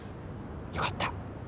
よかった。